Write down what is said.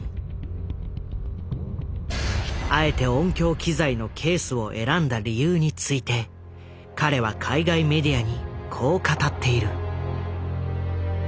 あえて音響機材のケースを選んだ理由について彼は海外メディアにこう語っている。